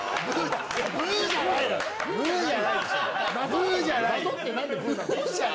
ブーじゃないのよ！